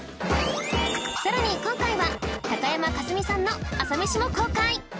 さらに今回は高山一実さんの朝メシも公開！